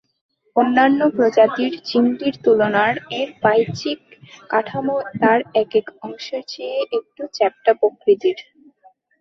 অন্যান্য প্রজাতির চিংড়ির তুলনার এর বাহ্যিক কাঠামো তার একেক অংশের চেয়ে একটু চ্যাপ্টা প্রকৃতির।